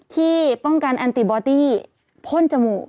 ที่ป้องกันแอนติบอตี้พ่นจมูก